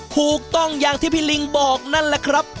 ถูกต้องอย่างที่พี่ลิงบอกนั่นแหละครับ